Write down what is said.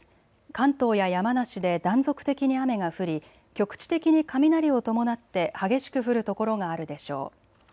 関東や山梨で断続的に雨が降り局地的に雷を伴って激しく降るところがあるでしょう。